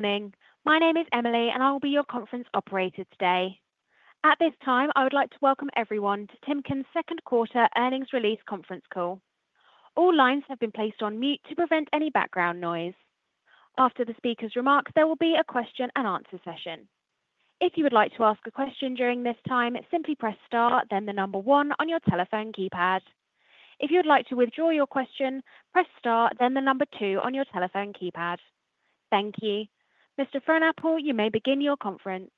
Good morning, my name is Emily and I will be your conference operator today. At this time I would like to welcome everyone to The Timken Company’s second quarter earnings release conference call. All lines have been placed on mute to prevent any background noise. After the speakers’ remarks, there will be a question and answer session. If you would like to ask a question during this time, simply press star then the number one on your telephone keypad. If you would like to withdraw your question, press star then the number two on your telephone keypad. Thank you, Mr. Frohnapple. You may begin your conference.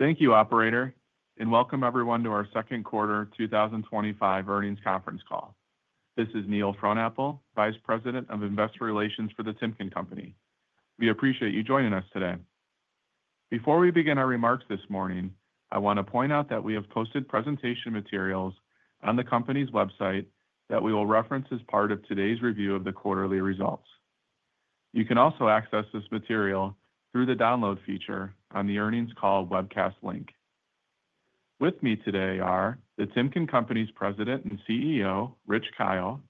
Thank you, Operator, and welcome everyone to our second quarter 2025 earnings conference call. This is Neil Andrew Frohnapple, Vice President of Investor Relations for The Timken Company. We appreciate you joining us today. Before we begin our remarks this morning, I want to point out that we have posted presentation materials on the company’s website that we will reference as part of today’s review of the quarterly results. You can also access this material through the download feature on the earnings call webcast link. With me today are The Timken Company’s President and CEO Richard G. Kyle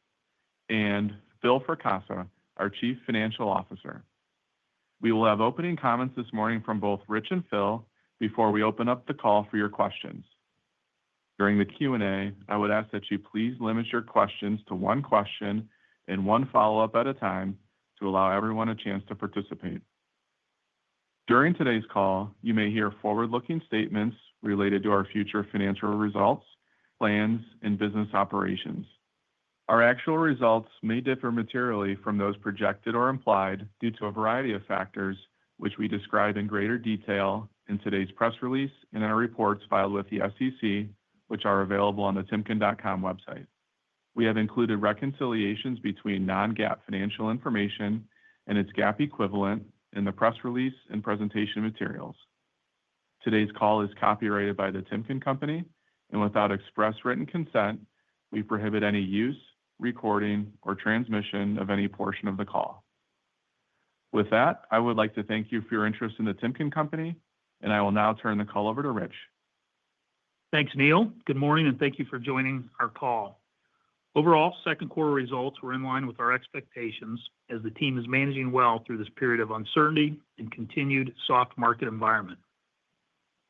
and Philip D. Fracassa, our Chief Financial Officer. We will have opening comments this morning from both Richard and Philip before we open up the call for your questions. During the Q&A, I would ask that you please limit your questions to one question and one follow-up at a time to allow everyone a chance to participate. During today’s call, you may hear forward-looking statements related to our future financial results, plans, and business operations. Our actual results may differ materially from those projected or implied due to a variety of factors, which we describe in greater detail in today’s press release and in our reports filed with the SEC, which are available on the timken.com website. We have included reconciliations between non-GAAP financial information and its GAAP equivalent in the press release and presentation materials. Today’s call is copyrighted by The Timken Company, and without express written consent, we prohibit any use, recording, or transmission of any portion of the call. With that, I would like to thank you for your interest in The Timken Company, and I will now turn the call over to Richard. Thanks, Neil. Good morning, and thank you for joining our call. Overall, second quarter results were in line with our expectations as the team is managing well through this period of uncertainty and continued soft market environment.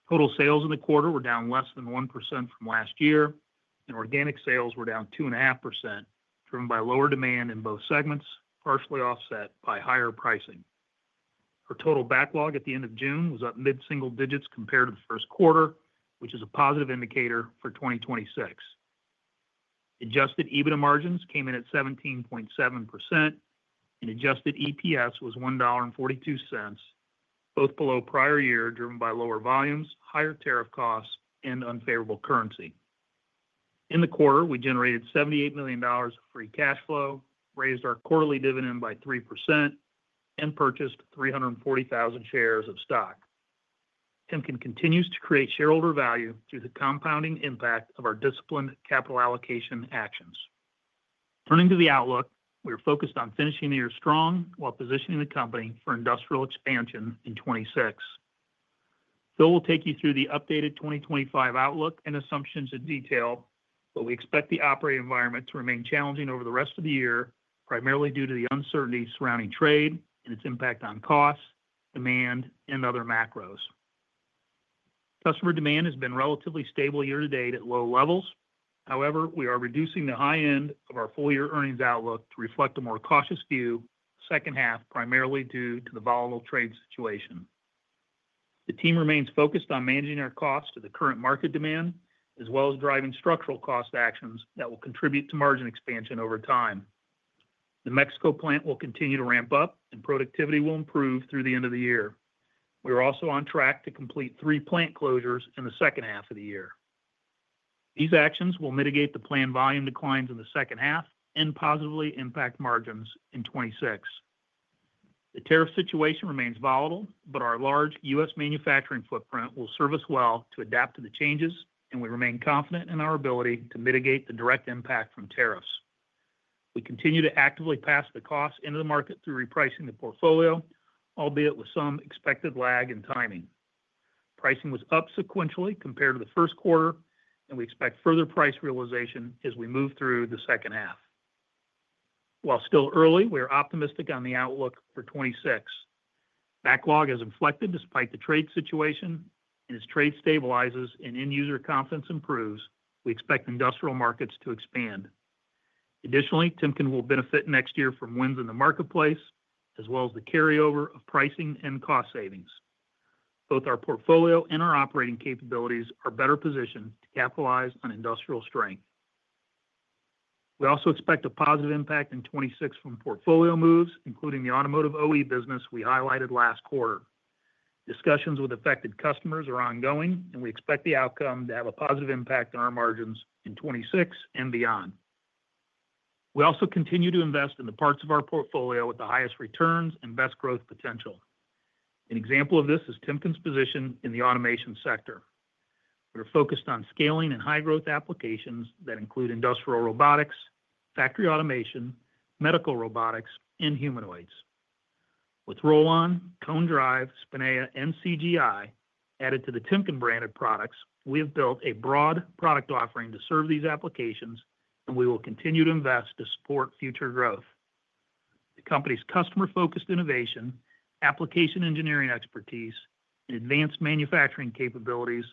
Total sales in the quarter were down less than 1% from last year, and organic sales were down 2.5%, driven by lower demand in both segments, partially offset by higher pricing. Our total backlog at the end of June was up mid-single digits compared to the first quarter, which is a positive indicator for 2026. Adjusted EBITDA margin came in at 17.7%, and adjusted EPS was $1.42, both below prior year, driven by lower volumes, higher tariff costs, and unfavorable currency. In the quarter, we generated $78 million of free cash flow, raised our quarterly dividend by 3%, and purchased 340,000 shares of stock. Timken continues to create shareholder value through the compounding impact of our disciplined capital allocation actions. Turning to the outlook, we are focused on finishing the year strong while positioning the company for industrial expansion in 2026. Phil will take you through the updated 2025 outlook and assumptions in detail, but we expect the operating environment to remain challenging over the rest of the year, primarily due to the uncertainty surrounding trade and its impact on costs, demand, and other macros. Customer demand has been relatively stable year to date at low levels. However, we are reducing the high end of our full-year earnings outlook to reflect a more cautious view for the second half, primarily due to the volatile trade situation. The team remains focused on managing our costs to the current market demand as well as driving structural cost actions that will contribute to margin expansion over time. The Mexico plant will continue to ramp up, and productivity will improve through the end of the year. We are also on track to complete three plant closures in the second half of the year. These actions will mitigate the planned volume declines in the second half and positively impact margins in 2026. The tariff situation remains volatile, but our large U.S. manufacturing footprint will serve us well to adapt to the changes, and we remain confident in our ability to mitigate the direct impact from tariffs. We continue to actively pass the costs into the market through repricing the portfolio, albeit with some expected lag in timing. Pricing was up sequentially compared to the first quarter, and we expect further price realization as we move through the second half. While still early, we are optimistic about the outlook for 2026. Backlog has inflected despite the trade situation, and as trade stabilizes and end-user confidence improves, we expect industrial markets to expand. Additionally, The Timken Company will benefit next year from wins in the marketplace as well as the carryover of pricing and cost savings. Both our portfolio and our operating capabilities are better positioned to capitalize on industrial strength. We also expect a positive impact in 2026 from portfolio moves, including the automotive OEM business we highlighted last quarter. Discussions with affected customers are ongoing, and we expect the outcome to have a positive impact on our margins in 2026 and beyond. We also continue to invest in the parts of our portfolio with the highest returns and best growth potential. An example of this is Timken’s position in the automation sector. We’re focused on scaling in high-growth applications that include industrial robotics, Factory automation, Medical robotics, and Humanoid robotics, With Rollon, Cone Drive, Spinea, and CGI added to the Timken-branded products, we have built a broad product offering to serve these applications, and we will continue to invest to support future growth. The company’s customer-focused innovation, application engineering expertise, and advanced manufacturing capabilities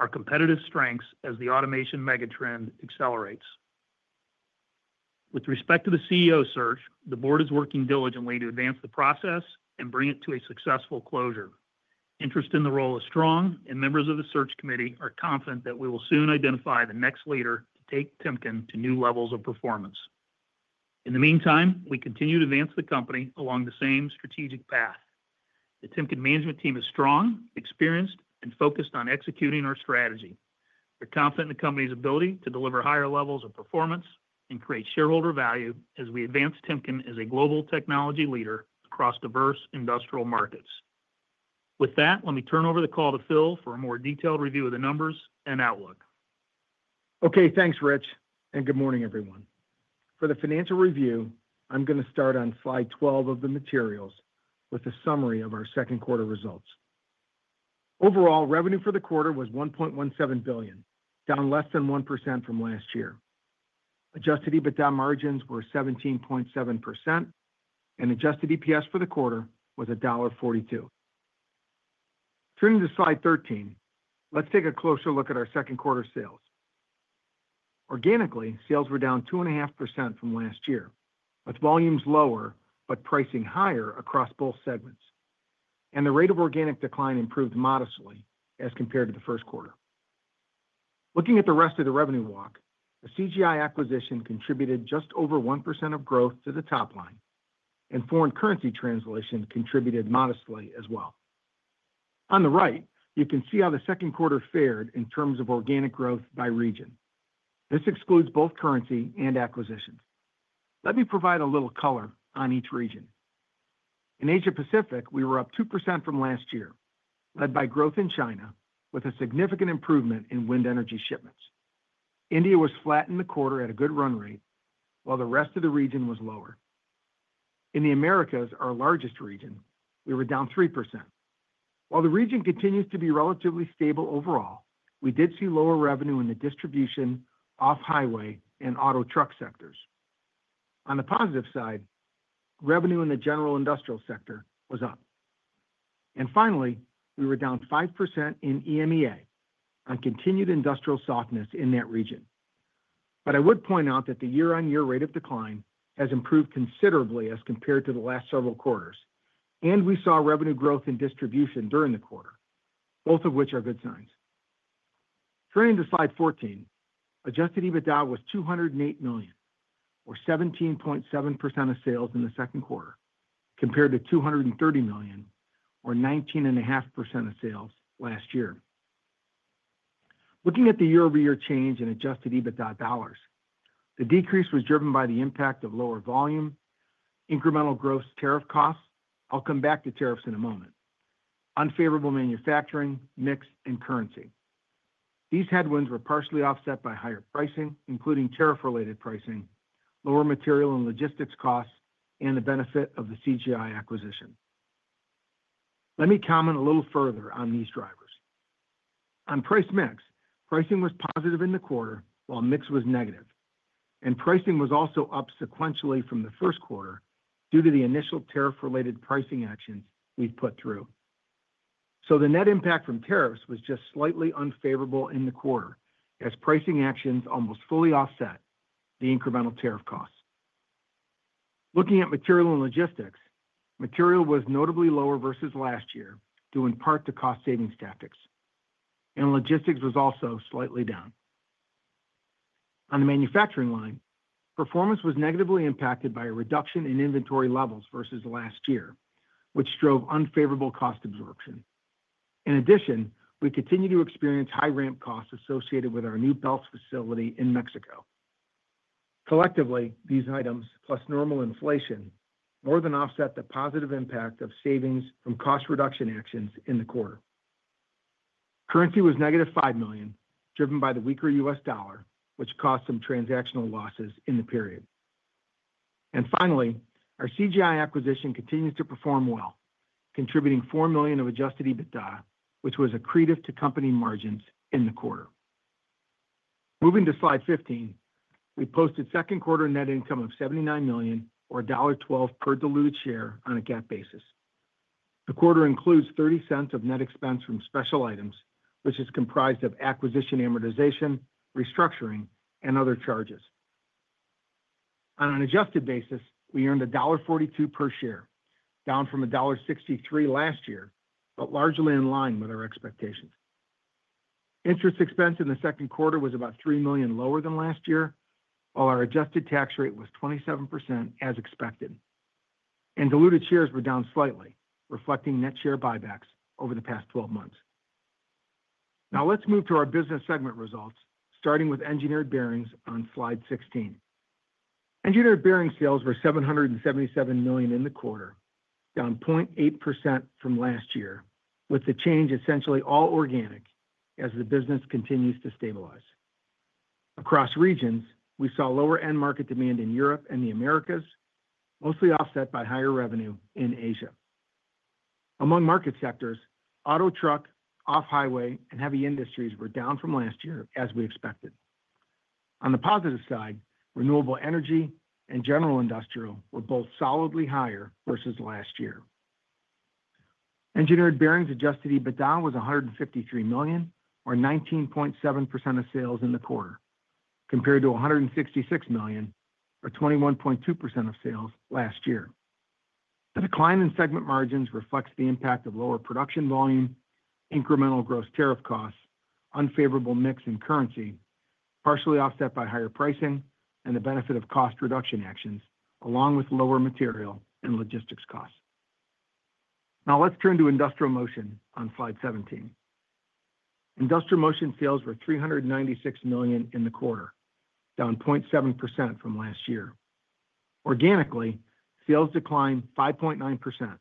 are competitive strengths as the automation megatrend accelerates. The Timken management team is strong, experienced, and focused on executing our strategy. We’re confident in the company’s ability to deliver higher levels of performance and create shareholder value as we advance Timken as a global technology leader across diverse industrial markets. With that, let me turn the call over to Phil for a more detailed review of the numbers and outlook. Okay, thanks, Rich, and good morning, everyone. For the financial review, I’m going to start on Slide 12 of the materials with a summary of our second quarter results. Overall revenue for the quarter was $1.17 billion, down less than 1% from last year. Adjusted EBITDA margins were 17.7%, and adjusted EPS for the quarter was This excludes both currency and acquisitions. Let me provide a little color on each region. In Asia Pacific, we were up 2% from last year, led by growth in China with a significant improvement in wind energy shipments. India was flat in the quarter at a good run rate, while the rest of the region was lower. In the Americas, our largest region, we were down 3%. While the region continues to be relatively stable overall, we did see lower revenue in the distribution, off-highway, and auto truck sectors. On the positive side, revenue in the general industrial sector was up. Finally, we were down 5% in EMEA on continued industrial softness in that region. I would point out that the year-on-year rate of decline has improved considerably as compared to the last several quarters, and we saw revenue growth in distribution during the quarter, both of which are good signs. Turning to Slide 14, adjusted EBITDA was $208 million, or 17.7% of sales in the second quarter, compared to $230 million, or 19.5% of sales last year. Mix and pricing were positive in the quarter, while mix was negative, and pricing was also up sequentially from the first quarter due to the initial tariff-related pricing actions we’ve put through. The net impact from tariffs was just slightly unfavorable in the quarter, as pricing actions almost fully offset the incremental tariff costs. The weaker U.S. dollar caused some transactional losses in the period. Finally, our CGI acquisition continues to perform well, contributing $4 million of adjusted EBITDA, which was accretive to company margins in the quarter. Engineered Bearing sales were $777 million in the quarter, down 0.8% from last year, with the change essentially all organic as the business continues to stabilize across regions. We saw lower end-market demand in Europe and the Americas, mostly offset by higher revenue in Asia. Among market sectors, auto, truck, off-highway, and heavy industries were down from last year as we expected. On the positive side, renewable energy and general industrial were both solidly higher versus last year. Now let’s turn to Industrial Motion on Slide 17. Industrial Motion sales were $396 million in the quarter, down 0.7% from last year. Organically, sales declined 5.9%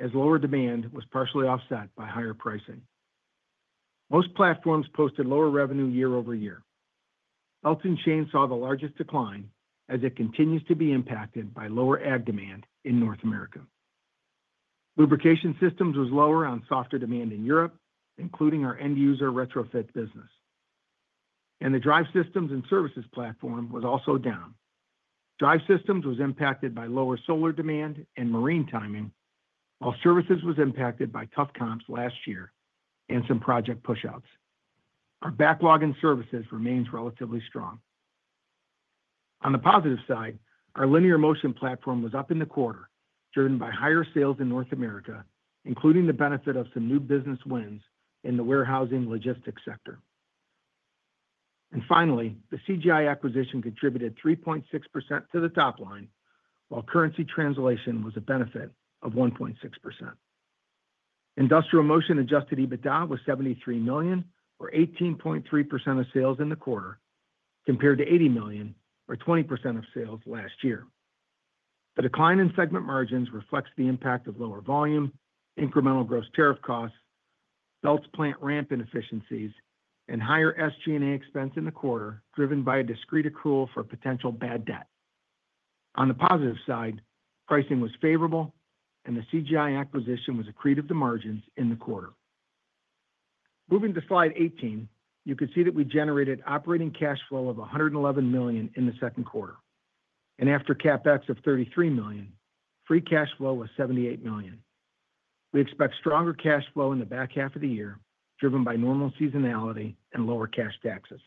as lower demand was partially offset by higher pricing. Most platforms posted lower revenue year over year. On the positive side, our Linear Motion platform was up in the quarter, driven by higher sales in North America, including the benefit of some new business wins in the warehousing logistics sector. Finally, the CGI acquisition contributed 3.6% to the top line, while currency translation was a benefit of Moving to Slide 18, you can see that we generated operating cash flow of $111 million in the second quarter, and after CapEx of $33 million, free cash flow was $78 million. We expect stronger cash flow in the back half of the year, driven by normal seasonality and lower cash taxes.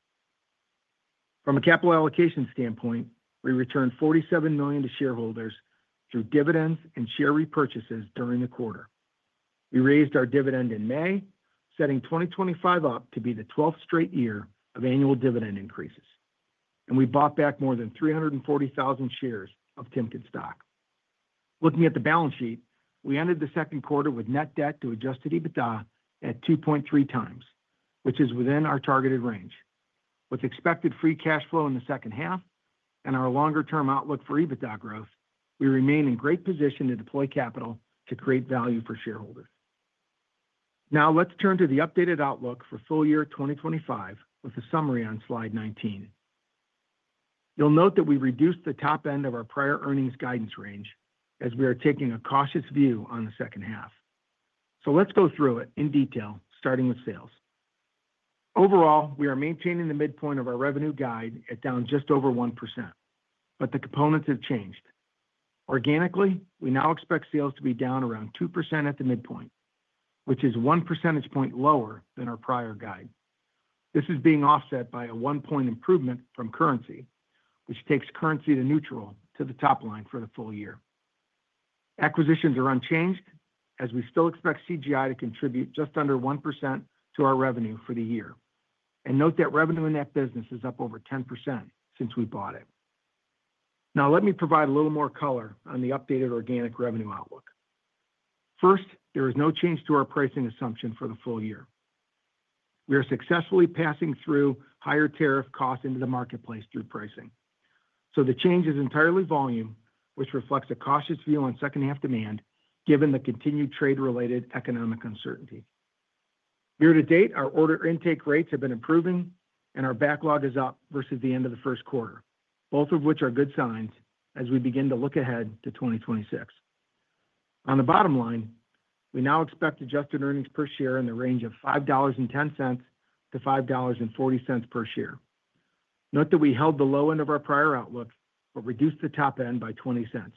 With expected free cash flow in the second half and our longer-term outlook for EBITDA growth, we remain in a great position to deploy capital to create value for shareholders. Acquisitions are unchanged, as we still expect CGI to contribute just under 1% to our revenue for the year. Note that revenue in that business is up over 10% since we bought it. Note that we held the low end of our prior outlook but reduced the top end by $0.20.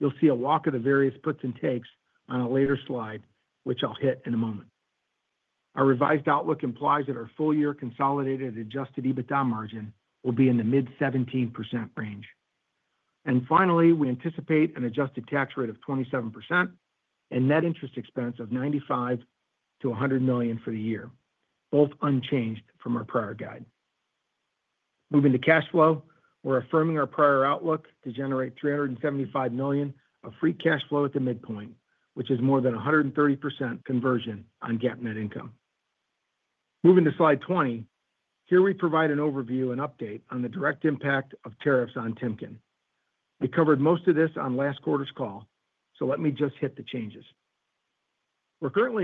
You’ll see a walk of the various puts and takes on a later slide, which I’ll cover in a moment. Our revised outlook implies that our full-year consolidated adjusted EBITDA margin will be in the mid-17% range. We’re currently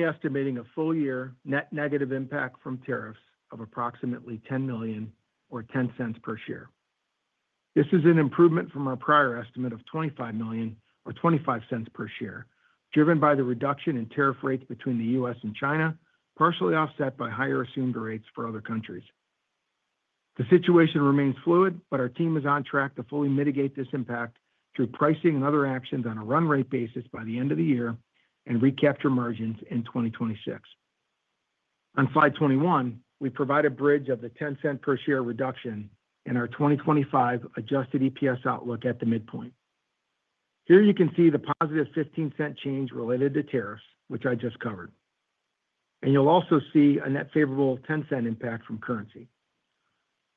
estimating a full-year net negative impact from tariffs of approximately $10 million, or $0.10 per share. This is an improvement from our prior estimate of $25 million, or $0.25 per share, driven by the reduction in tariff rates between the U.S. and China, partially offset by higher assumed rates for other countries. The situation remains fluid, but our team is on track to fully mitigate this impact through pricing and other actions on a run-rate basis by the end of the year and recapture margins in 2026.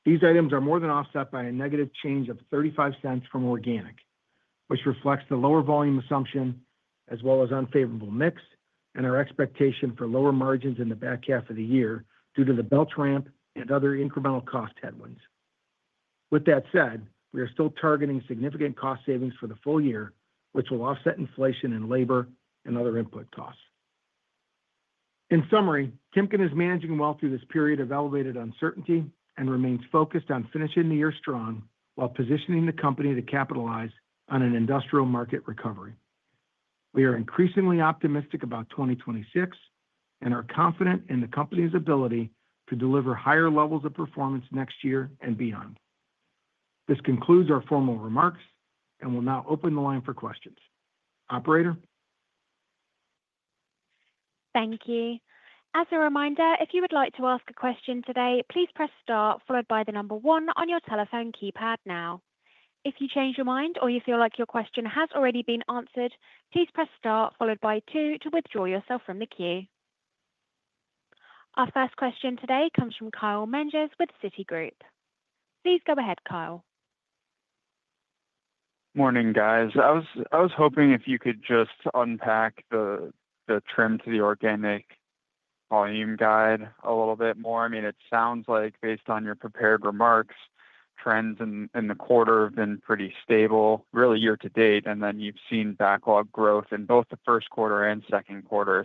These items are more than offset by a negative change of $0.35 from organic, which reflects the lower volume assumption as well as unfavorable mix and our expectation for lower margins in the back half of the year due to the belt ramp and other incremental cost headwinds. With that said, we are still targeting significant cost savings for the full year, which will offset inflation in labor and other input costs. Thank you. As a reminder, if you would like to ask a question today, please press star followed by the number one on your telephone keypad. If you change your mind or feel your question has already been answered, please press star followed by the number two to withdraw yourself from the queue. Our first question today comes from Kyle David Menges with Citigroup Inc. Please go ahead, Kyle. Morning guys. I was hoping if you could just unpack the trim to the organic volume guide a little bit more. I mean, it sounds like, based on your prepared remarks, trends in the quarter have been pretty stable year to date, and you’ve seen backlog growth in both the first quarter and the second quarter.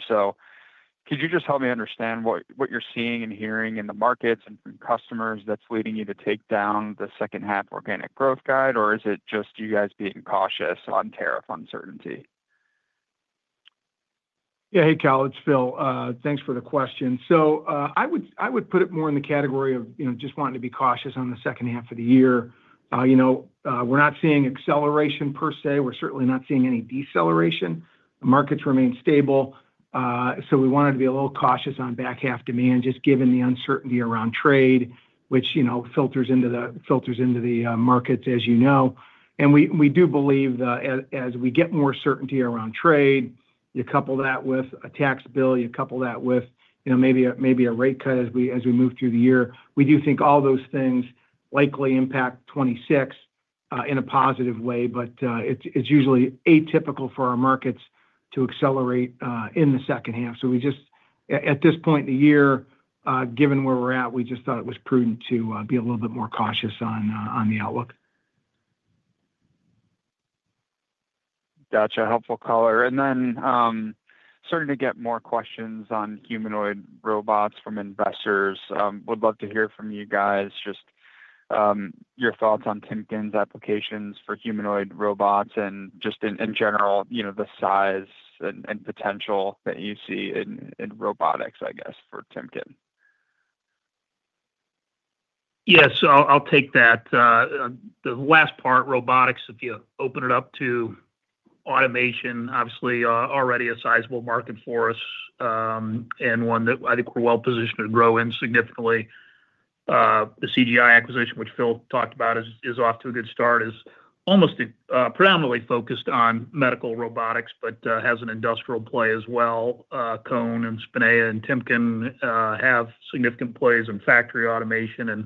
Could you just help me understand what you’re seeing and hearing in the markets and from customers that’s leading you to take down the second-half organic growth guide? Is it just you guys being cautious on tariff uncertainty? Yeah, hey Kyle, it’s Phil. Thanks for the question. I would put it more in the category of just wanting to be cautious on the second half of the year. We’re not seeing acceleration per se; we’re certainly not seeing any deceleration. The markets remain stable. We wanted to be a little cautious on back-half demand just given the uncertainty around trade, which filters into the markets, as you know. We do believe as we get more certainty around trade — you couple that with a tax bill, you couple that with maybe a rate cut as we move through the year — we do think all those things likely impact 2026 in a positive way. But it’s usually atypical for our markets to accelerate in the second half. At this point in the year, given where we’re at, we just thought it was prudent to be a little bit more cautious on the outlook. Gotcha. Helpful color. Starting to get more questions on Humanoid robotics from investors. Would love to hear from you guys. Just your thoughts on Timken’s applications for Humanoid robotics and, in general, the size and potential that you see in robotics, I guess, for Timken. Yes, I’ll take that last part. Robotics, if you open it up to automation, is already a sizable market for us and one that I think we’re well positioned to grow in significantly. The CGI acquisition, which Phil talked about, is off to a good start and is almost predominantly focused on Medical robotics but has an industrial play as well. Cone Drive and Spinea, along with Timken, have significant plays in Factory automation, and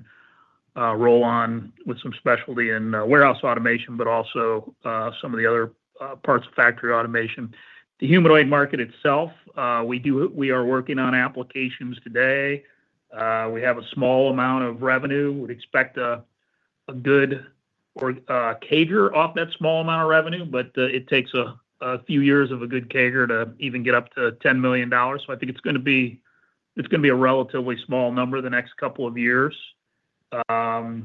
Rollon has some specialty in warehouse automation as well as other parts of Factory automation. I think it’s going to be a relatively small number over the next couple of years.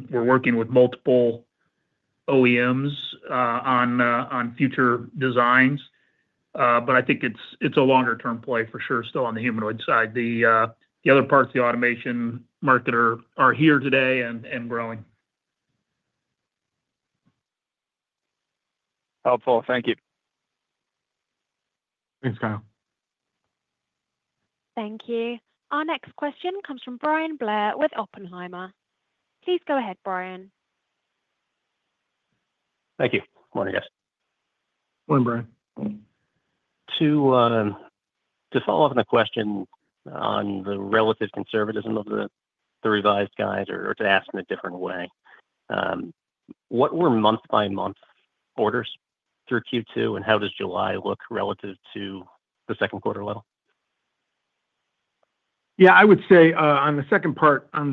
We’re working with multiple OEMs on future designs, but I think it’s a longer-term play for sure. Still, on the humanoid side, the other parts of the automation market are here today and growing. Helpful. Thank you. Thanks, Kyle. Thank you. Our next question comes from Bryan Francis Blair with Oppenheimer & Co. Inc. Please go ahead, Bryan. Thank you. Morning, guys. Morning, Brian. To follow up on a question on the relative conservatism of the revised guidance to ask in a different way. What were month-by-month orders through Q2, and how does July look relative to the second-quarter level? Yeah, I would say on the second part of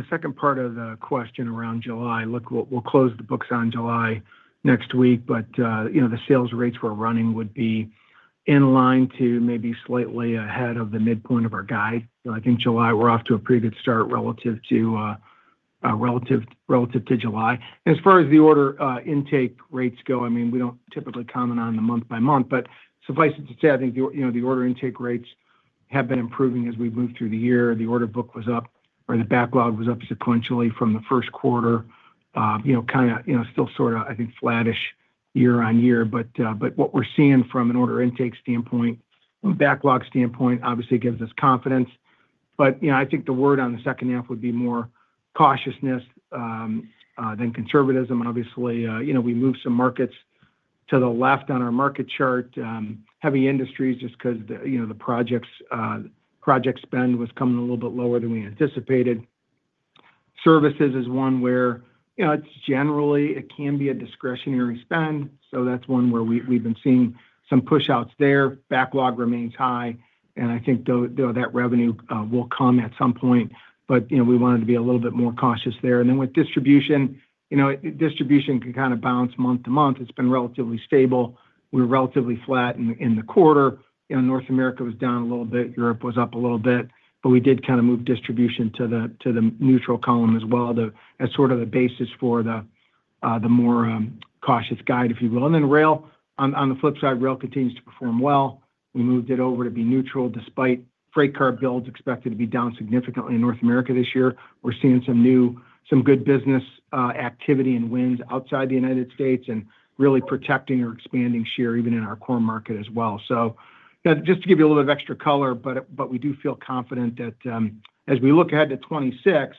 the question around July — look, we’ll close the books on July next week. The sales rates we’re running would be in line with, or maybe slightly ahead of, the midpoint of our guide. I think July is off to a pretty good start relative to expectations as far as order intake rates go. Obviously, we moved some markets to the left on our market chart — heavy industries, just because project spend was coming in a little bit lower than we anticipated. Services is one where it can be a discretionary spend, and that’s one where we’ve been seeing some pushouts. Backlog remains high, and I think that revenue will come at some point, but we wanted to be a little bit more cautious there. Despite freight car builds expected to be down significantly in North America this year, we’re seeing some good business activity and wins outside the U.S., and we’re really protecting or expanding share even in our core market as well. Just to give you a little bit of extra color, we do feel confident that as we look ahead to 2026,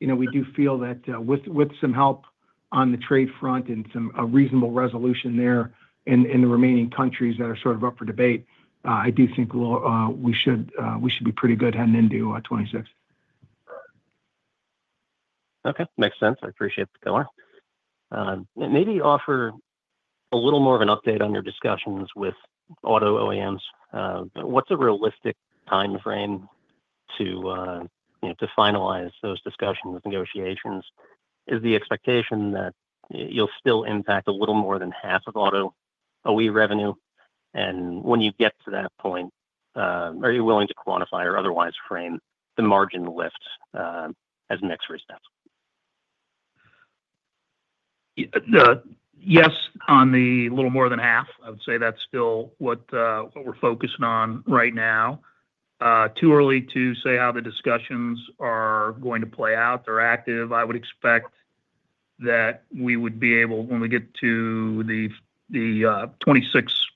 with some help on the trade front and a reasonable resolution in the remaining countries that are still under debate, we should be in a pretty good position heading into 2026. Okay, makes sense. I appreciate the color. Maybe offer a little more of an update on your discussions with auto OEMs. What’s a realistic time frame to finalize those discussions and negotiations? Is the expectation that you’ll still impact a little more than half of auto OE revenue? When you get to that point, are you willing to quantify or otherwise frame the margin lift as an extra step? Yes, on the “little more than half,” I would say that’s still what we’re focusing on right now. It’s too early to say how the discussions are going to play out — they’re active. I would expect that when we get to the 2026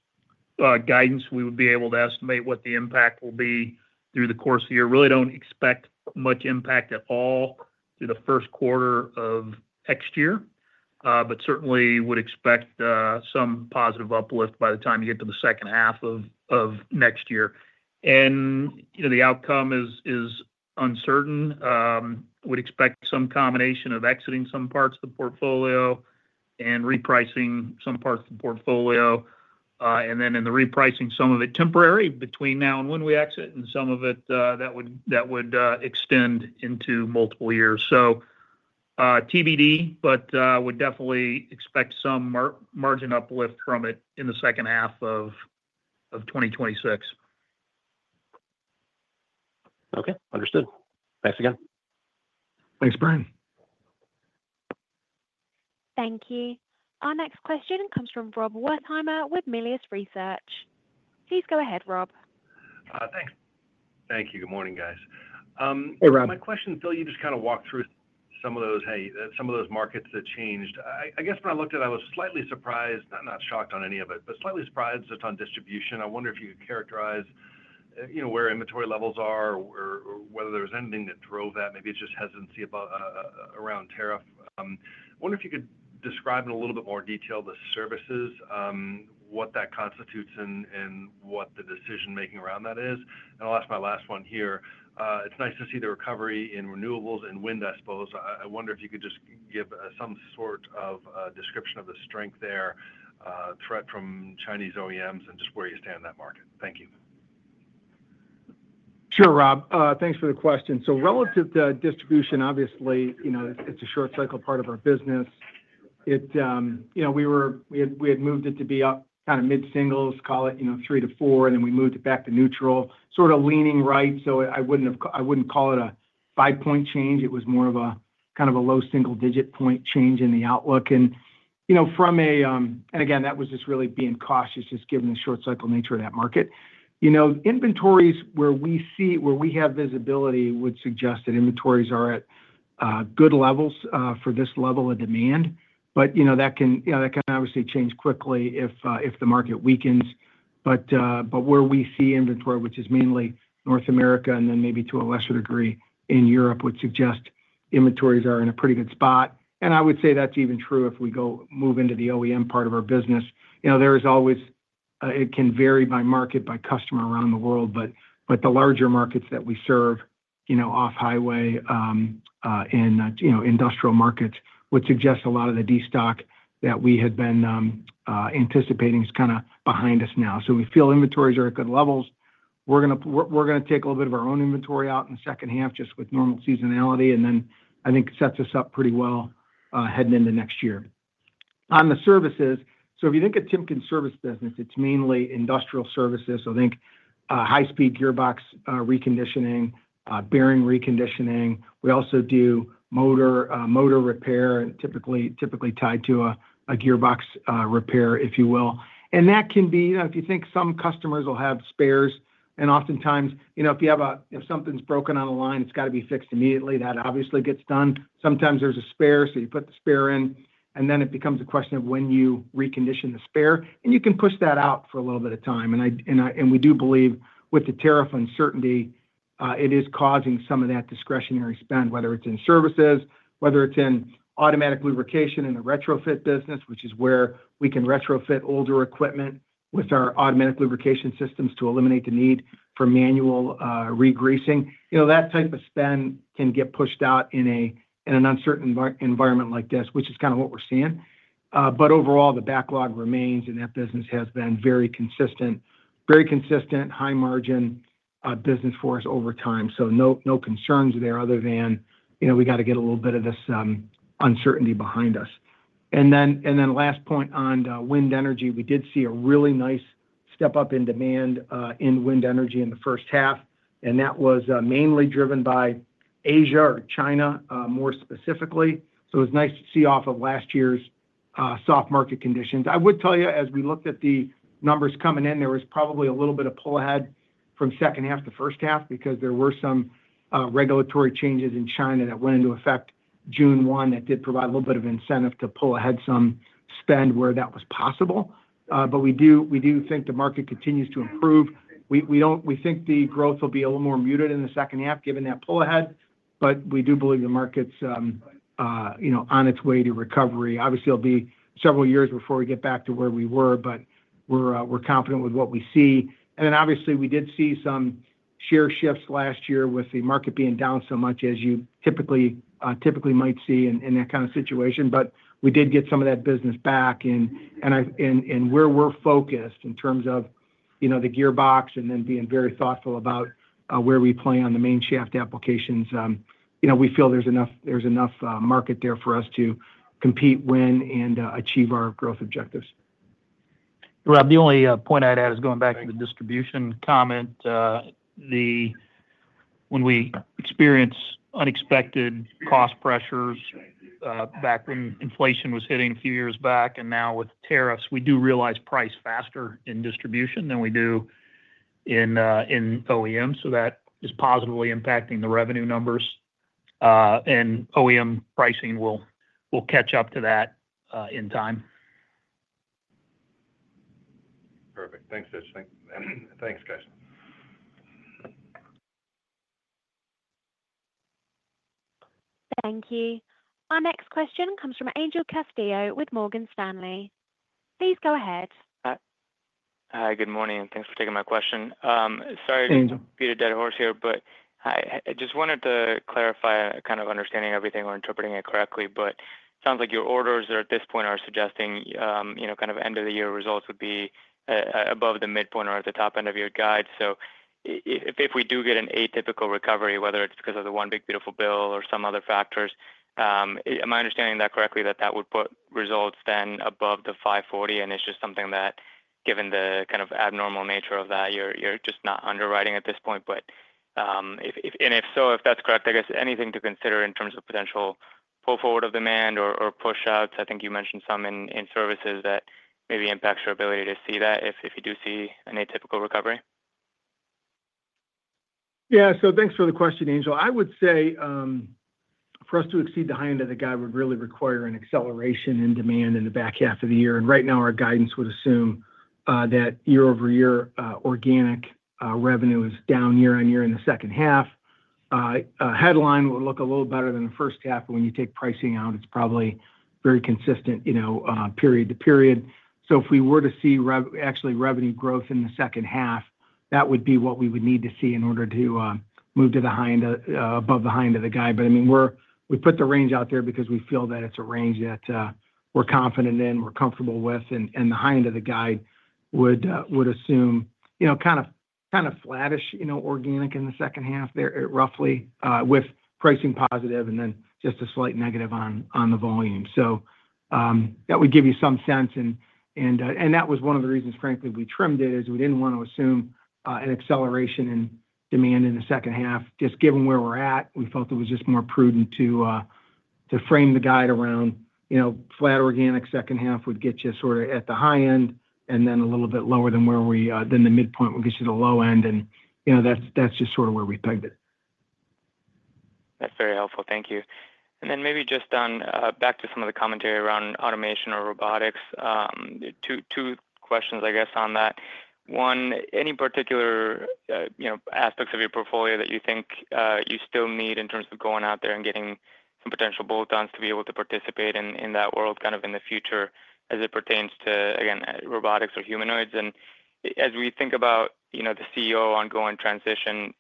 guidance, we’ll be able to estimate what the impact will be through the course of the year. We really don’t expect much impact at all through the first quarter of next year, but we certainly would expect some positive uplift by the time we get to the second half of next year. The outcome is uncertain. We expect some combination of exiting certain parts of the portfolio and repricing other parts of the portfolio. Within the repricing, some of it will be temporary between now and when we exit, and some will extend into multiple years. TBD, but we definitely expect some margin uplift from it in the second half of 2026. Okay, understood. Thanks again. Thanks, Brian. Thank you. Our next question comes from Robert Cameron Wertheimer with Melius Research. Please go ahead, Rob. Thanks. Thank you. Good morning, guys. Hey Rob, my question, Phil, you just. Kind of walk through some of those markets that changed. I guess when I looked at it, I was slightly surprised — not shocked by any of it — just slightly surprised on distribution. I wonder if you could characterize where inventory levels are, whether there was anything that drove that. Maybe it’s just hesitancy around tariffs. I also wonder if you could describe in a little bit more detail the Services business — what that constitutes and what the decision-making around that is. And I’ll ask my last one here — it’s nice to see the recovery in renewables and wind, I suppose. I wonder if you could give some description of the strength, the threat from Chinese OEMs, and just where you stand in that market. Thank you. Sure, Rob, thanks for the question. Relative to distribution — obviously, you know it’s a short-cycle part of our business. We had moved it to be up kind of mid-singles, call it 3% to 4%, and then we moved it back to neutral, sort of leaning right. I wouldn’t call it a five-point change; it was more of a low single-digit point change in the outlook. Again, that was really just being cautious given the short-cycle nature of that market. I would say that’s even true if we move into the OEM part of our business. It can vary by market and by customer around the world, but the larger markets that we serve — off-highway and industrial markets — would suggest that a lot of the destocking we had been anticipating is kind of behind us now. We feel inventories are at good levels. If you think about it, some customers will have spares, and oftentimes, if something breaks on a line, it has to be fixed immediately — that obviously gets done. Sometimes there’s a spare available, so you put the spare in, and then it becomes a question of when you recondition that spare. You can push that out for a little bit of time. Overall, the backlog remains solid, and that business has been very consistent — a high-margin business for us over time. No concerns there, other than that we need to get a little bit of this uncertainty behind us. We think the growth will be a little more muted in the second half given that Pull-ahead, but we do believe the market is on its way to recovery. Obviously, it’ll be several years before we get back to where we were, but we’re confident with what we see. We did see some share shifts last year with the market being down so much, as you might typically expect in that kind of situation. We’ve regained some of that business, and where we’re focused — in terms of the gearbox — we’re being very thoughtful about where we play on the main shaft applications. We feel there’s enough market there for us to compete, win, and achieve our growth objectives. Rob, the only point I’d add — going back to the distribution comment — when we experienced unexpected cost pressures back when inflation was hitting a few years back, and now with tariffs, we realized price faster in distribution than we did in OEM. That is positively impacting the revenue numbers. OEM pricing will catch up to that in time. Perfect, thanks. Thanks, guys. Thank you. Our next question comes from Angel Castillo with Morgan Stanley. Please go ahead. Hi, good morning, and thanks for taking my question. Sorry to beat a dead horse here — I just wanted to clarify to make sure I’m understanding everything correctly. It sounds like your orders at this point are suggesting that end-of-year results would be above the midpoint or at the top end of your guide. If we do get an atypical recovery — whether it’s because of the one big infrastructure bill or some other factors — am I understanding correctly that would put results above the $5.40, and it’s just something that, given the abnormal nature of that, you’re not underwriting at this point? Yeah, thanks for the question, Angel. I would say for us to exceed the high end of the guide would really require an acceleration in demand in the back half of the year. Right now, our guidance assumes that year-over-year organic revenue is down in the second half. The headline will look a little better than the first half, but when you take pricing out, it’s probably very consistent period to period. The high end of the guide would assume kind of flattish organic performance in the second half, with pricing positive and just a slight negative on volume. That would give you some sense. That was one of the reasons, frankly, we trimmed it — we didn’t want to assume an acceleration in demand in the second half. Given where we’re at, we felt it was more prudent to frame the guide around flat organic. The second half would get you to the high end, and a little bit lower than the midpoint would get you to the low end. That’s just where we pegged it. That’s very helpful, thank you. Maybe just back to some of the commentary around automation or robotics. Two questions on that — first, are there any particular aspects of your portfolio that you think you still need in terms of going out there and getting some potential bolt-ons to participate in that world in the future as it pertains to robotics or humanoids? And second, as we think about the ongoing CEO transition,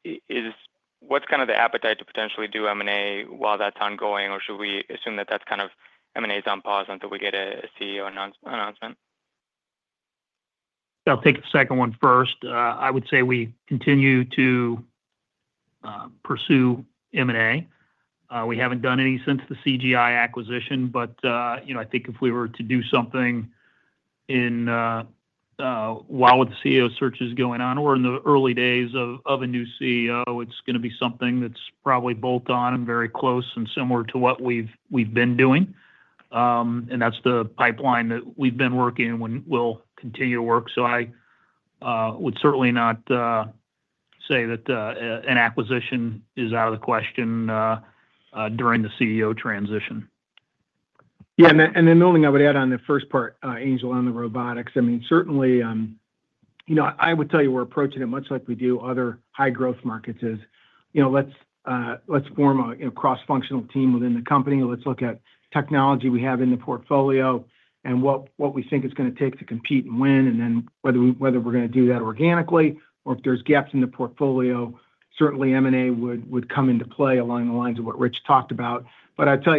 what’s the appetite to potentially do M&A while that’s ongoing, or should we assume that M&A is on pause until we get a CEO announcement? I’ll take the second one first. I would say we continue to pursue M&A. We haven’t done any since the CGI acquisition. I think if we were to do something while the CEO search is going on or in the early days of a new CEO, it’s going to be something that’s probably bolt-on and very close and similar to what we’ve been doing. That’s the pipeline that we’ve been working and will continue to work. I would certainly not say that an acquisition is out of the question during the CEO transition. Yeah, the only thing I would add on the first part, Angel, regarding robotics — I would tell you we’re approaching it much like we do other high-growth markets. Let’s form a cross-functional team within the company, look at the technology we already have in the portfolio and what we think it’s going to take to compete and win, and then determine whether we’re going to do that organically or if there are gaps in the portfolio. Certainly, M&A would come into play along the lines of what Rich talked about. I do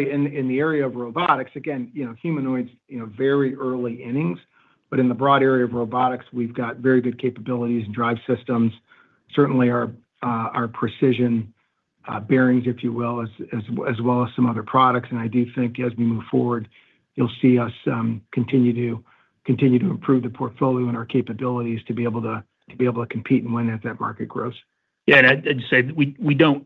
think as we move forward you'll see us continue to improve the portfolio and our capabilities to be able to compete and win at that market growth. Yeah, I’d say we don’t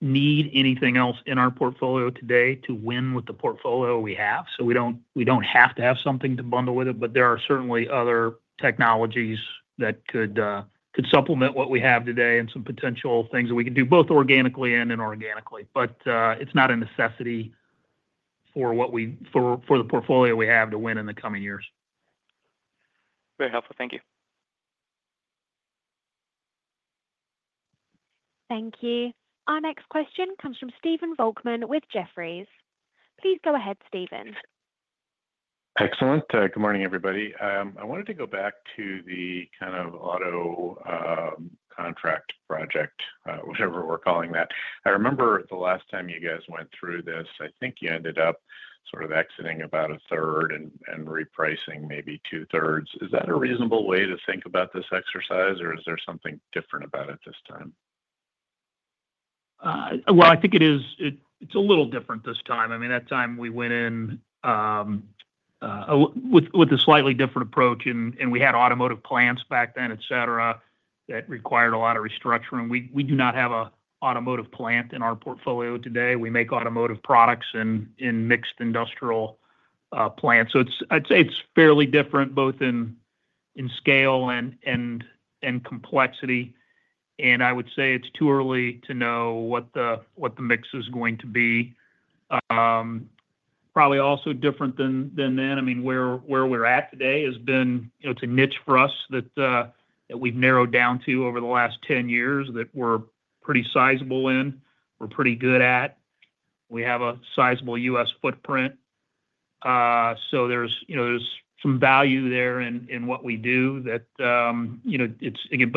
need anything else in our portfolio today to win with the portfolio we have, so we don’t have to have something to bundle with it. There are certainly other technologies that could supplement what we have today and some potential things that we could do both organically and inorganically, but it’s not a necessity for the portfolio we have to win in the coming years. Very helpful. Thank you. Thank you. Our next question comes from Stephen Edward Volkmann with Jefferies LLC. Please go ahead, Stephen. Excellent. Good morning, everybody. I wanted to go back to the auto contract project — whatever we’re calling that. I remember the last time you guys went through this, I think you ended up exiting about a third and repricing maybe two-thirds. Is that a reasonable way to think about this exercise, or is there something different about it this time? I think it is, but it’s a little different this time. That time, we went in with a slightly different approach, and we had automotive plants back then that required a lot of restructuring. We do not have an automotive plant in our portfolio today — we make automotive products in mixed industrial plants. I’d say it’s fairly different, both in scale and complexity.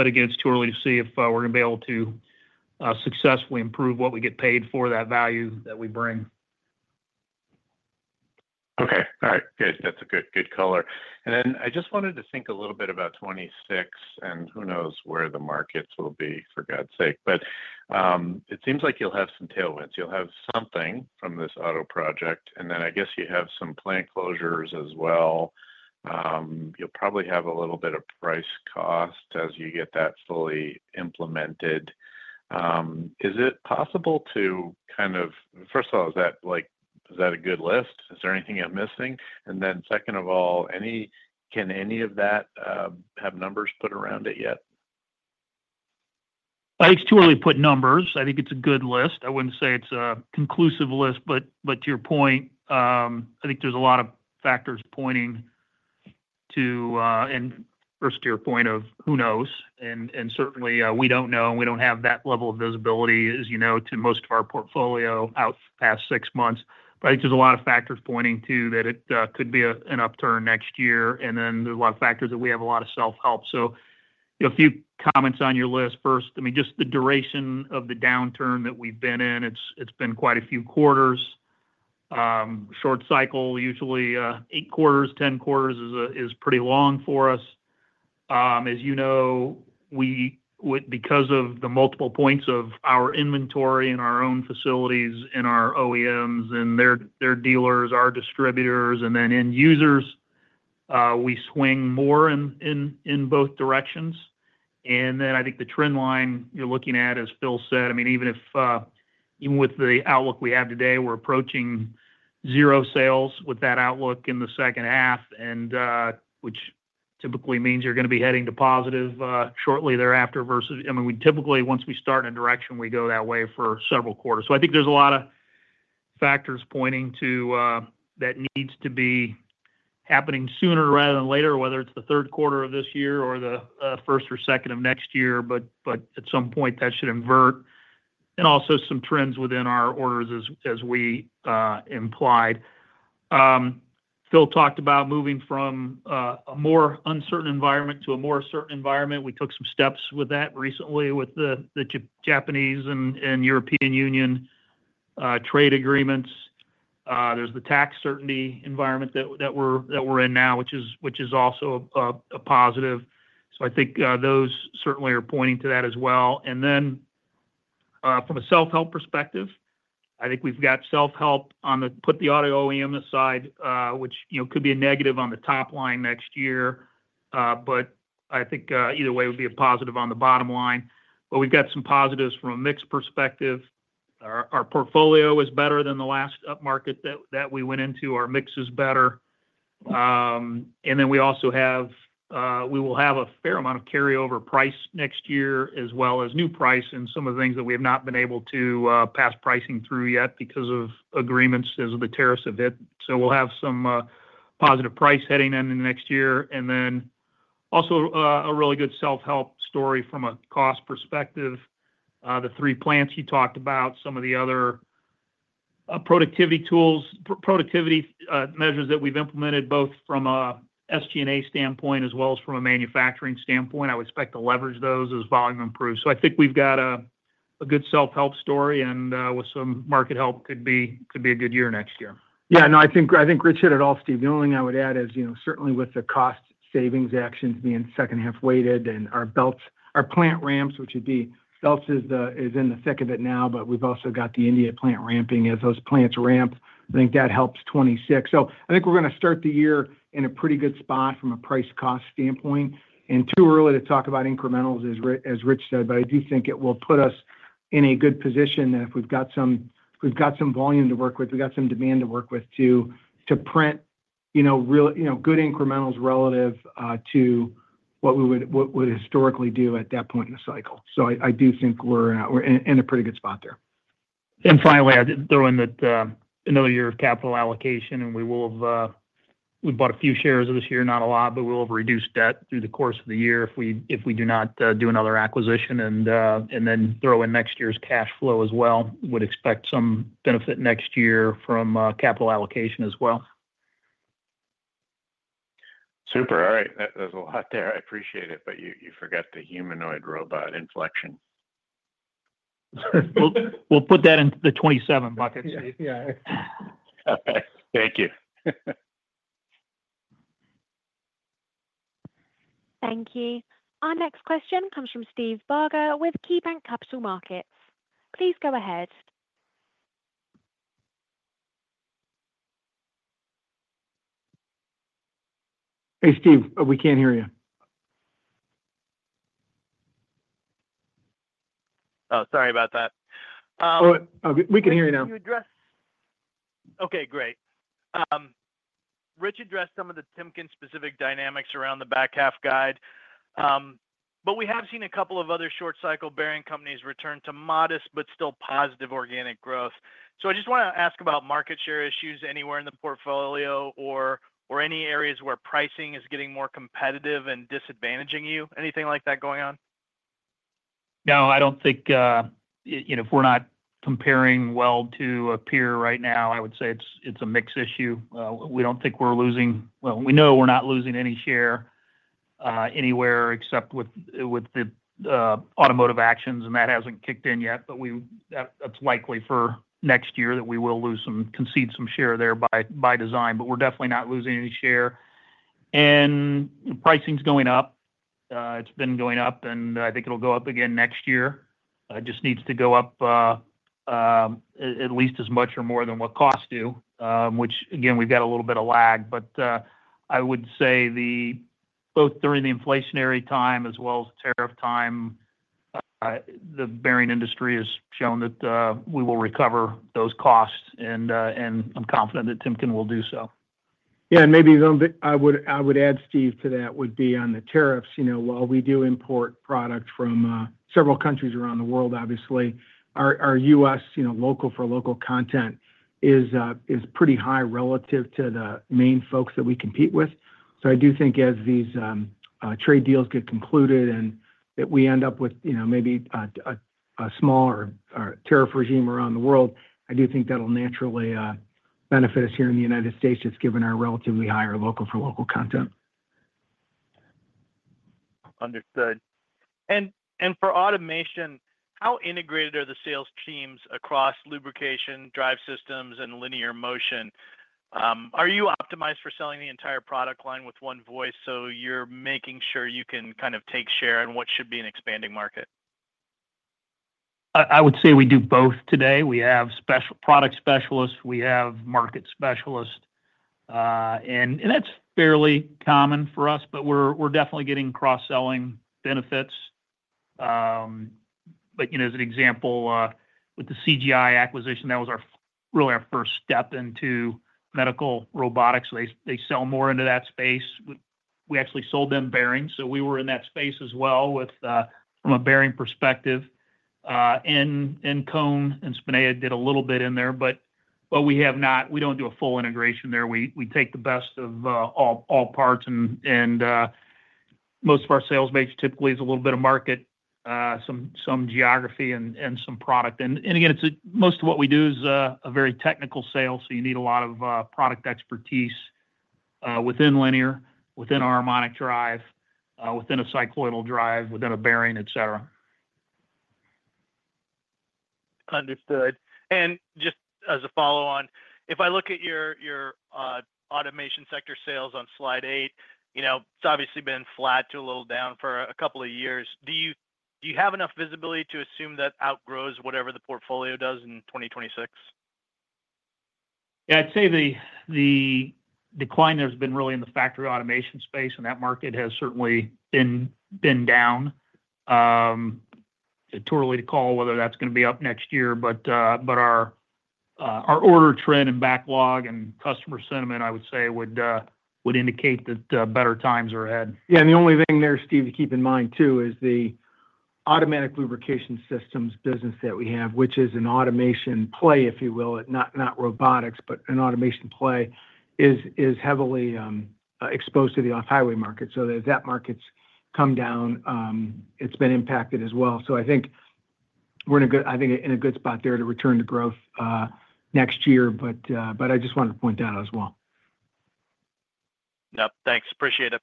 Again, it's too early to see if we're going to be able to successfully improve what we get paid for that value that we bring. Okay, all right, good. That’s good color. I just wanted to think a little bit about 2026 — and who knows where the markets will be, for God’s sake — but it seems like you’ll have some tailwinds. You’ll have something from this auto project, and I guess you have some plant closures as well. You’ll probably have a little bit of price-cost benefit as you get that fully implemented. Is it possible to— first of all, is that a good list? Is there anything I’m missing? And second, can any of that have numbers put around it yet? It’s too early to put numbers around it. I think it’s a good list, though I wouldn’t say it’s a conclusive one. To your point — and really, who knows — we certainly don’t have that level of visibility. As you know, we typically only have visibility out about six months for most of our portfolio. Because of the multiple points of our inventory — in our own facilities, in our OEMs and their dealers, our distributors, and then end users — we tend to swing more in both directions. I think the trend line you’re looking at, as Phil said, even with the outlook we have today, we’re approaching zero sales growth in the second half, which typically means you’re going to be heading to positive shortly thereafter. Phil talked about moving from a more uncertain environment to a more certain environment. We’ve taken some steps in that direction recently with the Japanese and European Union trade agreements. There’s also the tax certainty environment we’re in now, which is a positive. I think those factors are certainly pointing in the right direction as well. We will have a fair amount of carryover price next year as well as new price and some of the things that we have not been able to pass pricing through yet because of agreements as the tariffs have hit. We’ll have some positive price heading in next year. There is also a really good self-help story from a cost perspective. The three plants you talked about, some of the other productivity tools, productivity measures that we’ve implemented both from an SG&A standpoint as well as from a manufacturing standpoint, I would expect to leverage those as volume improves. I think we’ve got a good self-help story, and with some market help, could be a good year next year. I think Rich hit it all. Steve, the only thing I would add is, certainly with the cost-savings actions being second-half-weighted and our belts, our plant ramps, which would be belts, is in the thick of it now. We’ve also got the India plant ramping. As those plants ramp, I think that helps 2026. I think we’re going to start the year in a pretty good spot from a price-cost standpoint. It’s too early to talk about incrementals, as Rich said, but I do think it will put us in a good position that if we’ve got some volume to work with, we got some demand to work with to print, you know, really good incrementals relative to what we would historically do at that point in the cycle. I do think we’re in a pretty good spot there. Finally, I throw in that another year of capital allocation and we will have. We bought a few shares this year, not a lot, but we'll reduce debt through the course of the year if we do not do another acquisition, and then throw in next year's cash flow as well. Would expect some benefit next year from capital allocation as well. Super. All right, there's a lot there. I appreciate it. You forgot the Humanoid robotics inflection. We'll put that in the $27 bucket. Steve. Thank you. Thank you. Our next question comes from Steve Barger with KeyBanc Capital Markets Inc. Please go ahead. Hey Steve, we can't hear you. Oh, sorry about that. We can hear you now. Okay, great. Rich addressed some of the Timken-specific dynamics around the back-half guide, but we have seen a couple of other short-cycle bearing companies return to modest but still positive organic growth. I just want to ask about market-share issues anywhere in the portfolio or any areas where pricing is getting more competitive and disadvantaging you — anything like that going on? No, I don’t think if we’re not comparing well to a peer right now, I would say it’s a mix issue. We don’t think we’re losing — we know we’re not losing — any share anywhere except with the automotive actions, and that hasn’t kicked in yet. That’s likely for next year that we will lose some, concede some share there by design. We’re definitely not losing any share. Pricing’s going up. It’s been going up, and I think it’ll go up again next year. It just needs to go up at least as much or more than what costs do, which again, we’ve got a little bit of lag. I would say both during the inflationary time as well as tariff time, the bearing industry has shown that we will recover those costs, and I’m confident that Timken will do so. Yeah, maybe I would add, Steve, to that on the tariffs. You know, while we do import product from several countries around the world, obviously our U.S. Local-for-local content is pretty high relative to the main folks that we compete with. I do think as these trade deals get concluded and we end up with maybe a smaller tariff regime around the world, that’ll naturally benefit us here in the United States just given our relatively higher local-for-local content. Understood. For automation, how integrated are the sales teams across lubrication, drive systems, and linear motion? Are you optimized for selling the entire product line with one voice, making sure you can kind of take share in what should be an expanding market? I would say we do both today. We have product specialists; we have market specialists, and that’s fairly common for us. We’re definitely getting cross-selling benefits. As an example, with the CGI acquisition — that was really our first step into Medical robotics — they sell more into that space. We actually sold them bearings, so we were in that space as well from a bearing perspective. Cone Drive and Spinea did a little bit in there, but we don’t do a full integration there. We take the best of all parts, and most of our sales major typically is a little bit of market, some geography, and some product. Most of what we do is a very technical sale, so you need a lot of product expertise within linear, within Harmonic drive, within a Cycloidal drive, within a bearing, et cetera. Understood. Just as a follow on, if I look at your automation sector sales on Slide 8, it's obviously been flat to a little down for a couple of years. Do you have enough visibility to assume that outgrows whatever the portfolio does in 2026? I'd say the decline there's been really in the Factory automation, and that market has certainly been down. It's tough to call whether that's going to be up next year, but our order trend and backlog and customer sentiment would indicate that better times are ahead. Yeah, the only thing there, Steve, to keep in mind too is the automatic lubrication systems business that we have, which is an automation play, if you will, not robotics, but automation, is heavily exposed to the off-highway market. If that market's come down, it's been impacted as well. I think we're in a good spot there to return to growth next year. I just wanted to point that out as well. Thanks, appreciate it.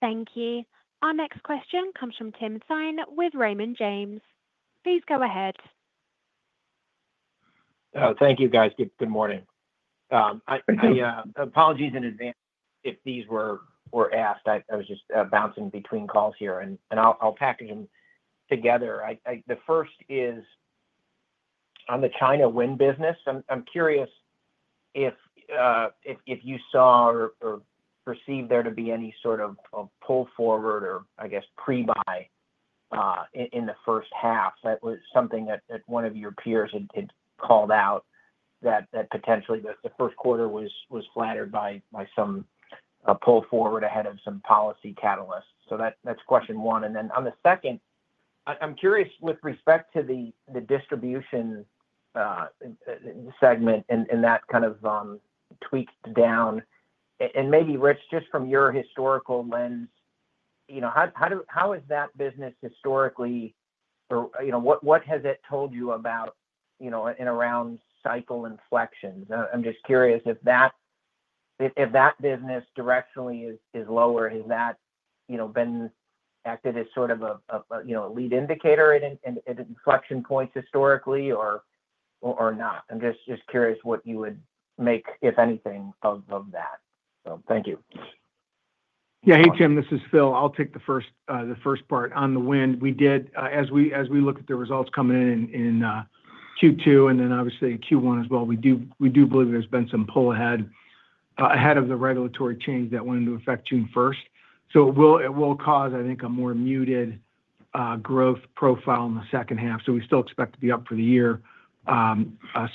Thank you. Our next question comes from Tim Thyne with Raymond James. Please go ahead. Thank you, guys. Good morning. Apologies in advance if these were asked. I was just bouncing between calls here and I’ll package them together. The first is on the China wind business. I’m curious if you saw or perceived there to be any sort of pull-forward — or I guess pre-buy — in the first half. That was something that one of your peers had called out, that potentially the first quarter was flattered by some pull-forward ahead of some policy catalysts. That’s question one. Yeah. Hey Tim, this is Phil. I’ll take the first part on the wind. As we look at the results coming in in Q2 and then obviously Q1 as well, we do believe there’s been some Pull-ahead, ahead of the regulatory change that went into effect June 1st. It will cause, I think, a more muted growth profile in the second half. We still expect to be up for the year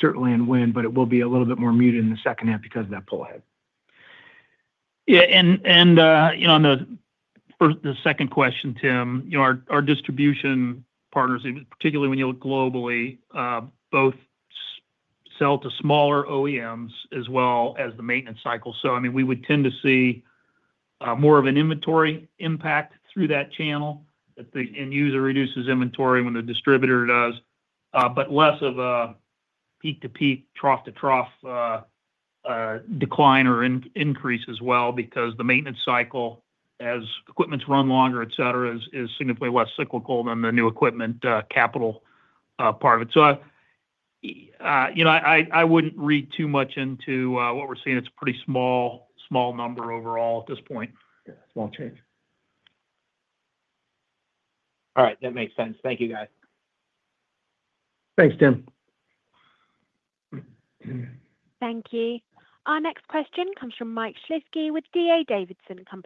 certainly in wind, but it will be a little bit more muted in the second half because of that Pull-ahead. Yeah. On the second question, Tim, our distribution partners, particularly when you look globally, both sell to smaller OEMs as well as the maintenance cycle. We would tend to see more of an inventory impact through that channel. End user reduces inventory when the distributor does, but less of a peak to peak, trough to trough decline or increase as well because the maintenance cycle, as equipment's run longer, et cetera, is significantly less cyclical than the new equipment capital part of it. I wouldn't read too much into what we're seeing. It's a pretty small number overall at this point. Small change. All right, that makes sense. Thank you, guys. Thanks, Tim. Thank you. Our next question comes from Michael Shlisky with D.A. Davidson & Co.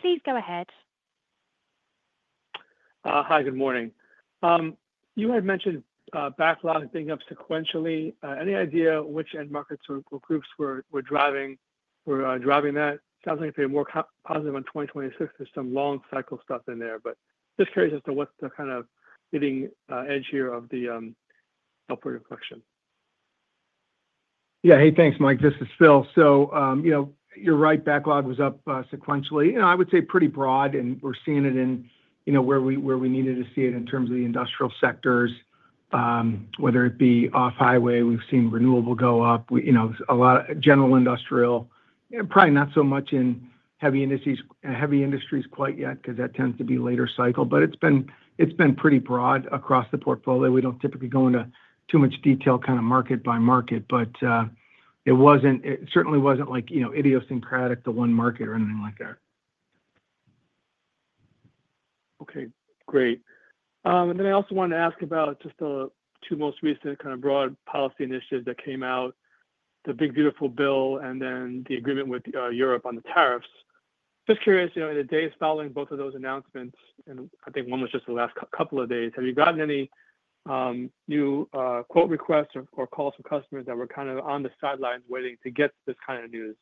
Please go ahead. Hi, good morning. You had mentioned backlog being up sequentially. Any idea which end markets or groups were driving that? Sounds like it’s going to be more positive on 2026. There’s some long-cycle stuff in there, but just curious as to what the kind of leading edge here of the order collection is. Yeah. Hey, thanks, Mike. This is Phil. You know, you’re right — backlog was up sequentially, and I would say pretty broad. We’re seeing it in where we needed to see it in terms of the industrial sectors, whether it be off-highway. We’ve seen renewable go up; a lot of general industrial, probably not so much in heavy industries quite yet because that tends to be later cycle. It’s been pretty broad across the portfolio. We don’t typically go into too much detail market by market, but it certainly wasn’t idiosyncratic to one market or anything like that. Okay, great. I also wanted to ask about just the two most recent kind of broad policy initiatives that came out, the big beautiful bill and then the agreement with Europe on the tariffs. Just curious, in the days following both of those announcements, and I think one was just the last couple.of days, have you gotten any new quote requests or calls from customers that were kind of on the sidelines waiting to get this kind of news?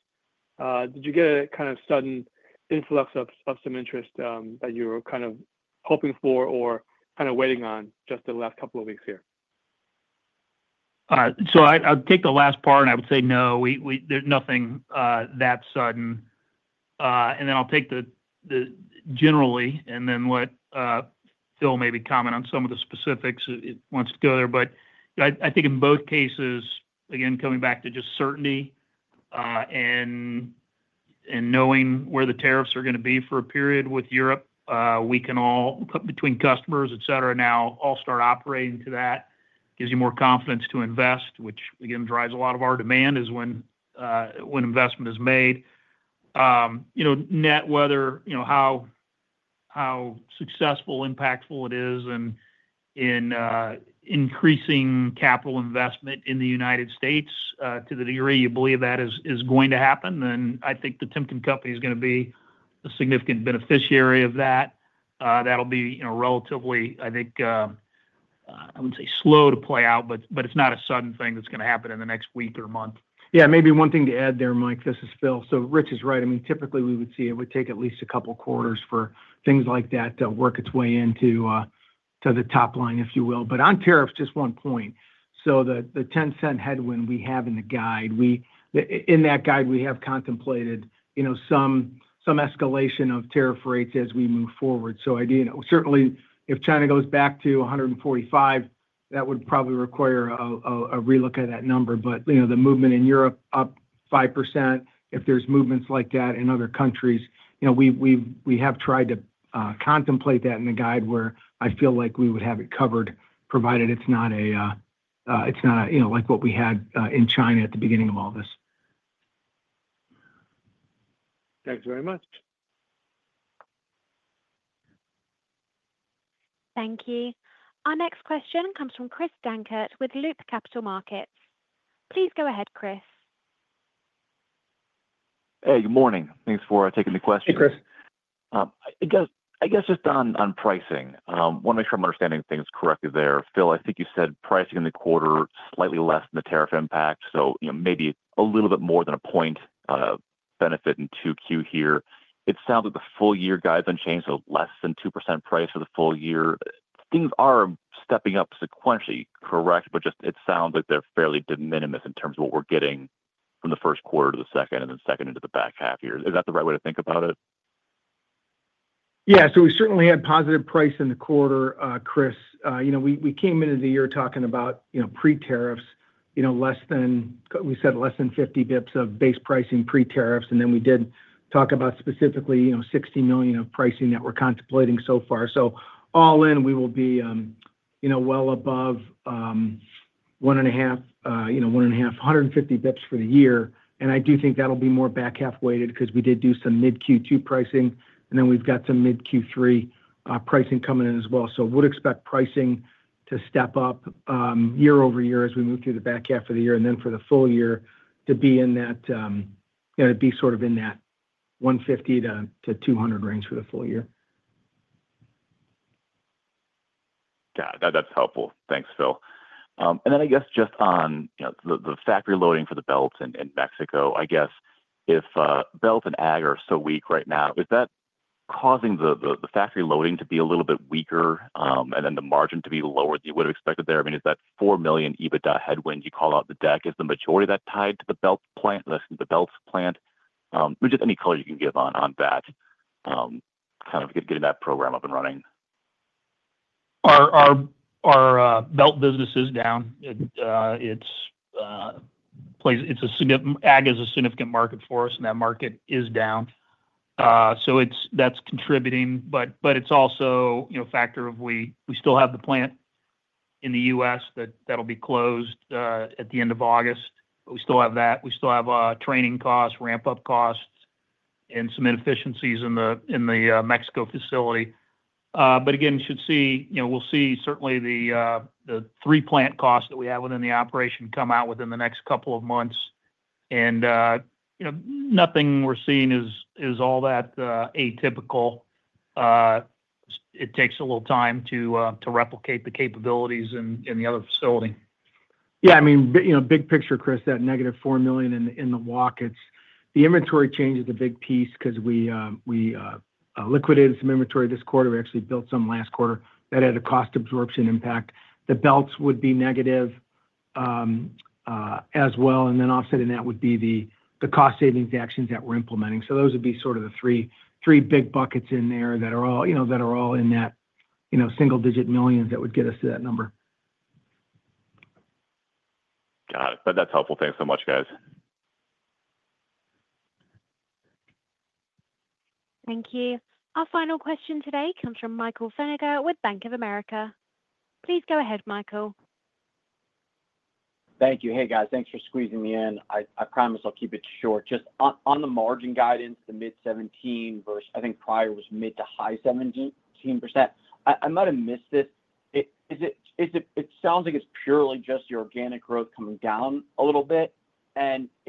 Did you get a kind of sudden influx of some interest that you were kind of hoping for or kind of waiting on just the last couple of weeks here? I'll take the last part and I would say no, there's nothing that sudden. I'll take the generally and then let Phil maybe comment on some of the specifics if he wants to go there. I think in both cases, again, coming back to just certainty and knowing where the tariffs are going to be for a period with Europe, we can all, between customers, et cetera, now all start operating to that. It gives you more confidence to invest, which again drives a lot of our demand. When investment is made, net whether how successful or impactful it is in increasing capital investment in the U.S. to the degree you believe that is going to happen, then I think The Timken Company is going to be a significant beneficiary of that. That'll be relatively, I think I would say, slow to play out. It's not a sudden thing that's going to happen in the next week or month. Yeah, maybe one thing to add there, Mike. This is Phil, so Rich is right. I mean, typically we would see it would take at least a couple quarters for things like that to work its way into the top line, if you will. On tariffs, just one point. The $0.10 headwind we have in the guide, in that guide, we have contemplated some escalation of tariff rates as we move forward. I do, certainly if China goes back to 145, that would probably require a relook at that number. The movement in Europe up 5%, if there's movements like that in other countries, we have tried to contemplate that in the guide where I feel like we would have it covered provided it's not, it's not like what we had in China at the beginning of all this. Thanks very much. Thank you. Our next question comes from Christopher M. Dankert with Loop Capital Markets LLC. Please go ahead. Chris. Hey, good morning. Thanks for taking the question. Hey, Chris, I guess just on pricing — want to make sure I’m understanding things correctly there, Phil. I think you said pricing in the quarter was slightly less than the tariff impact, maybe a little bit more than a point benefit in 2Q here. It sounds like the full-year guideline is unchanged, so less than 2% price for the full year. Things are stepping up sequentially, correct? It just sounds like they’re fairly de minimis in terms of what we’re getting from the first quarter to the second and then second into the back half of the year. Is that the right way to think about it? Yeah. We certainly had positive price in the quarter, Chris. We came into the year talking about, pre-tariffs, less than 50 bps of base pricing, pre-tariffs. We did talk about specifically $60 million of pricing that we’re contemplating so far. All in, we will be well above 1.5%, 150 bps for the year. I do think that’ll be more back-half-weighted because we did do some mid-Q2 pricing and then we’ve got some mid-Q3 pricing coming in as well. Would expect pricing to step up year over year as we move through the back half of the year and for the full year to be in that 150 to 200 bps range for the full year. That's helpful. Thanks, Phil. Just on the factory loading for the belts in Mexico, if belts and AG are so weak right now, is that causing the factory loading to be a little bit weaker and the margin to be lower than you would have expected there? Is that $4 million EBITDA headwind you call out in the deck, is the majority of that tied to the belts plant? Just any color you can give on that, kind of getting that program up and running. Our belts business is down. It's a significant ag, is a significant market for us and that market is down. That's contributing. It's also a factor of we still have the plant in the U.S. that will be closed at the end of August, but we still have that. We still have training costs, ramp up costs, and some inefficiencies in the Mexico facility. Again, should see, you know, we'll see certainly the three plant costs that we have within the operation come out within the next couple of months and nothing we're seeing is all that atypical. It takes a little time to replicate the capabilities in the other facility. Yeah, I mean, you know, big picture, Chris, that negative $4 million in the walk, it's the inventory change is a big piece because we liquidated some inventory this quarter. We actually built some last quarter that had a cost absorption impact. The belts would be negative as well. Offsetting that would be the cost savings actions that we're implementing. Those would be sort of the three, three big buckets in there that are all, you know, that are all in that, you know, single digit millions that would get us to that number. That's helpful. Thanks so much, guys. Thank you. Our final question today comes from Michael J. Feniger with BofA Securities. Please go ahead, Michael. Thank you. Hey guys, thanks for squeezing me in. I promise I’ll keep it short. Just on the margin guidance, the mid-17% versus, I think, prior was mid- to high-17%. I might have missed this. Is it — it sounds like it’s purely just your organic growth coming down a little bit?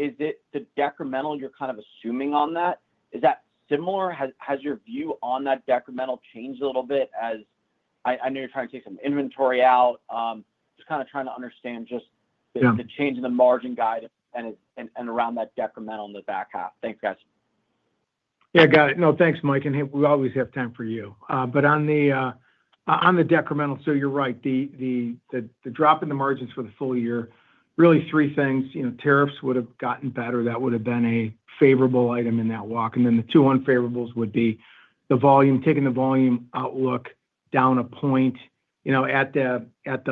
Is it the decremental you’re kind of assuming on that? Is that similar? Has your view on that decremental changed a little bit? I know you’re trying to take some inventory out — just kind of trying to understand the change in the margin guide and around that decremental in the back half. Thanks, guys. Yeah, Yeah, got it. No — thanks, Mike. We always have time for you. On the decremental, you’re right. The drop in the margins for the full year — really three things: tariffs would have gotten better; that would have been a favorable item in that walk. The two unfavorables would be the volume — taking the volume outlook down a point, at the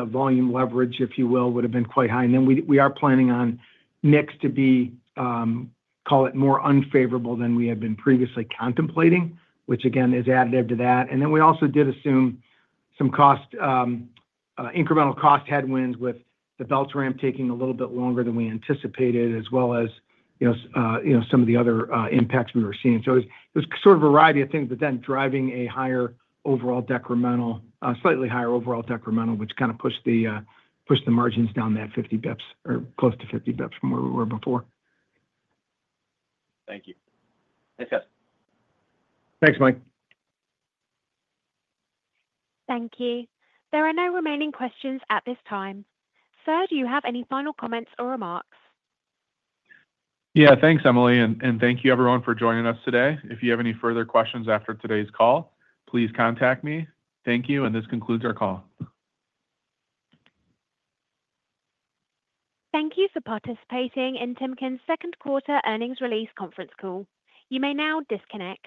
volume leverage, if you will, would have been quite high. We are planning on mix to be, call it, more unfavorable than we had been previously contemplating, which again is additive to that. We also did assume some incremental cost headwinds with the belt ramp taking a little bit longer than we anticipated, as well as some of the other impacts we were seeing. It was sort of a variety of things driving a slightly higher overall decremental, which kind of pushed the margins down that 50 bps or close to 50 bps from where we were before. Thank you. Thanks Mike. Thank you. There are no remaining questions at this time. Sir, do you have any final comments or remarks? Yeah. Thanks, Emily, and thank you, everyone, for joining us today. If you have any further questions after today's call, please contact me. Thank you. This concludes our call. Thank you for participating in Timken's second quarter earnings release conference call. You may now disconnect.